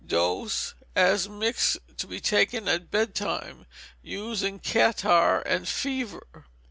Dose, as mixed, to be taken at bed time. Use in catarrh and fever.